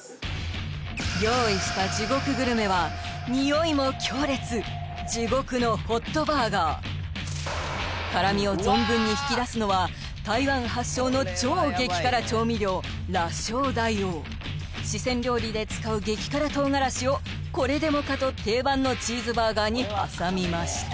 用意した地獄グルメはにおいも強烈辛みを存分に引き出すのは台湾発祥の超激辛調味料辣椒大王四川料理で使う激辛とうがらしをこれでもかと定番のチーズバーガーに挟みました